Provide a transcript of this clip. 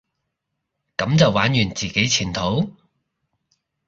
噉就玩完自己前途？